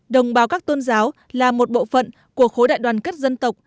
đồng bào các tôn giáo là một bộ phận của khối đại đoàn kết dân tộc